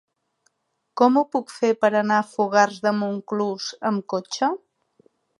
Com ho puc fer per anar a Fogars de Montclús amb cotxe?